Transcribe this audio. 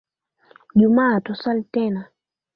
Jumaa taswali tena.